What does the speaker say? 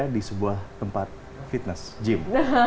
di sebuah tempat fitness gym